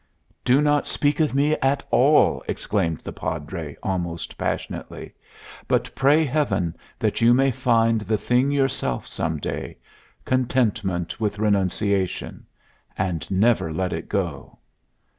"Do not speak of me at all!" exclaimed the Padre, almost passionately. "But pray Heaven that you may find the thing yourself some day Contentment with Renunciation and never let it go."